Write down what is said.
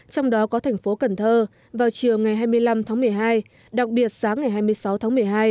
trong đó có thành phố cần thơ vào chiều ngày hai mươi năm tháng một mươi hai đặc biệt sáng ngày hai mươi sáu tháng một mươi hai